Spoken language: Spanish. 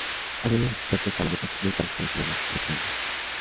Algunos expertos hablan de puntos muy parecidos en ambos retablos.